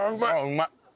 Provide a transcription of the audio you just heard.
うまい！